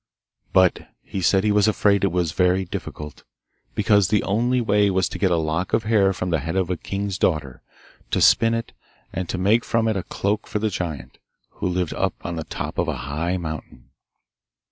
But he said he was afraid it was very difficult, because the only way was to get a lock of hair from the head of a king's daughter, to spin it, and to make from it a cloak for the giant, who lived up on the top of a high mountain.